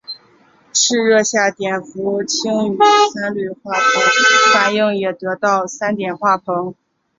赤热下碘化氢与三氯化硼反应也得到三碘化硼。